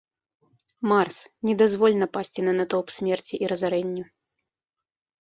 Марс, не дазволь напасці на натоўп смерці і разарэнню.